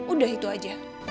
udah itu aja